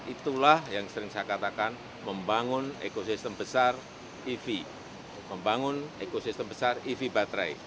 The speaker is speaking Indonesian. itulah yang sering saya katakan membangun ekosistem besar ev membangun ekosistem besar ev baterai